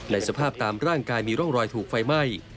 สภาพตามร่างกายมีร่องรอยถูกไฟไหม้